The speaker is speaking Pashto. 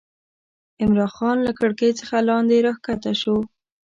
عمرا خان له کړکۍ څخه لاندې راکښته شو.